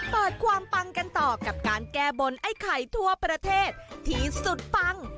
เปิดความปังกันต่อกับการแก้บนไอ้ไข่ทั่วประเทศที่สุดปัง